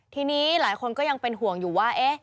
ทีนี้หลายคนก็ยังเป็นห่วงอยู่ว่า